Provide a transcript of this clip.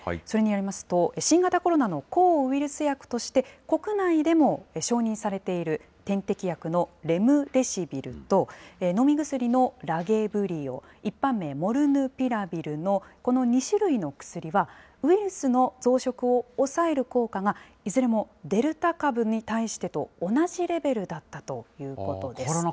それによりますと、新型コロナの抗ウイルス薬として国内でも承認されている点滴薬のレムデシビルと、飲み薬のラゲブリオ・一般名、モルヌピラビルの、この２種類の薬は、ウイルスの増殖を抑える効果が、いずれもデルタ株に対してと同じレベルだったということです。